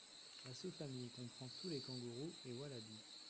La sous-famille comprend tous les kangourous et wallabys.